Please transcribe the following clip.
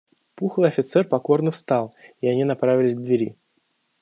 Пухлый офицер покорно встал, и они направились к двери.